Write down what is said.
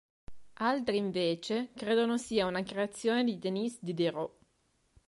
Altri invece credono sia una creazione di Denis Diderot.